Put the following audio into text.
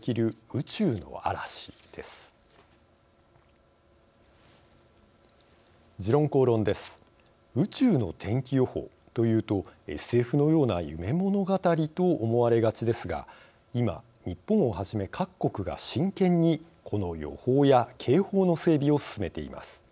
「宇宙の天気予報」というとＳＦのような夢物語と思われがちですが今、日本をはじめ各国が真剣に、この予報や警報の整備を進めています。